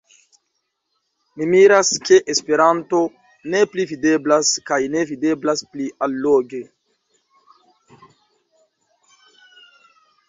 Mi miras, ke Esperanto ne pli videblas, kaj ne videblas pli alloge.